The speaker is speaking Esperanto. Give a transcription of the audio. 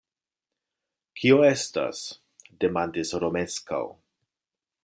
Kio estas? demandis Romeskaŭ.